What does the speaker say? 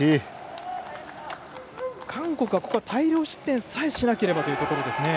韓国はここは大量失点さえしなければというところですね。